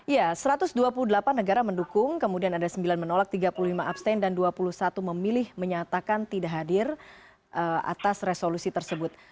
ya satu ratus dua puluh delapan negara mendukung kemudian ada sembilan menolak tiga puluh lima abstain dan dua puluh satu memilih menyatakan tidak hadir atas resolusi tersebut